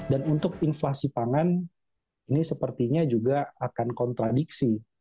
dan untuk inflasi pangan ini sepertinya juga akan kontradiksi